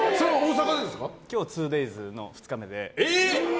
今日は２デイズの２日目で。